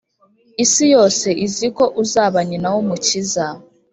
isi yose iziko uzaba nyina w’umukiza